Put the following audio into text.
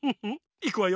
いくわよ。